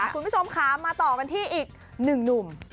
คุณผู้ชมค่ะมาต่อกันที่อีกหนึ่งหนุ่ม